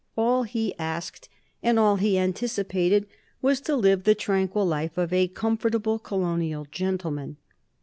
All he asked and all he anticipated was to live the tranquil life of a comfortable colonial gentleman.